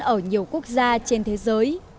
ở nhiều quốc gia trên thế giới